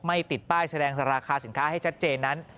ติดป้ายแสดงราคาสินค้าให้ชัดเจนนั้น